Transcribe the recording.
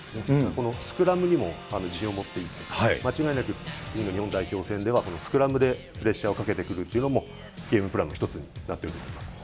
このスクラムにも自信を持っていて、間違いなく次の日本代表戦では、このスクラムでプレッシャーをかけてくるっていうのも、ゲームプランの一つになってると思います。